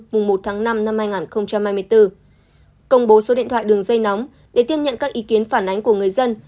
mùng một tháng năm năm hai nghìn hai mươi bốn công bố số điện thoại đường dây nóng để tiếp nhận các ý kiến phản ánh của người dân